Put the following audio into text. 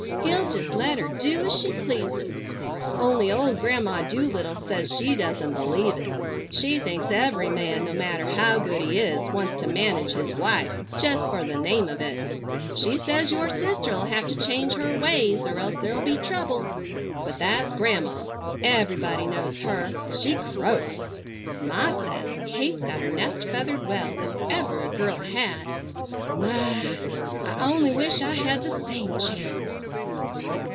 He'll just let her do as she pleases. Only old Grandma Doolittle says she doesn't believe it. She thinks every man, no matter how good he is, wants to manage his wife, just for the name of it. She says your sister'll have to change her ways or else there'll be trouble. But that's Grandma! Everybody knows her. She croaks! Ma says Kate's got her nest feathered well if ever a girl had. My! I only wish I had the same chance!"